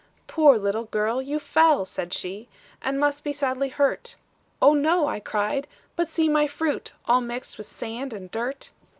"'Poor little girl, you fell,' said she, 'And must be sadly hurt;' 'Oh, no,' I cried; 'but see my fruit, All mixed with sand and dirt.'